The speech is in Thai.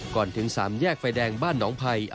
ก่อนถึงสามแยกไฟแดงบ้านหนองไพร